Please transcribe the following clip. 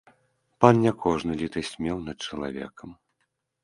Пан не кожны літасць меў над чалавекам.